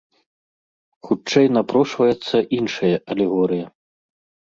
Хутчэй напрошваецца іншая алегорыя.